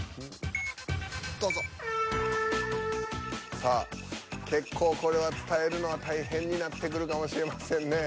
さあ結構これは伝えるのは大変になってくるかもしれませんね。